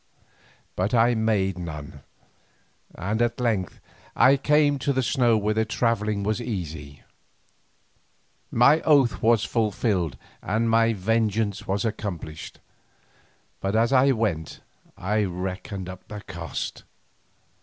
But I made none, and at length I came to the snow where the travelling was easy. My oath was fulfilled and my vengeance was accomplished, but as I went I reckoned up the cost.